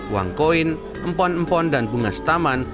uang koin empon empon dan bunga setaman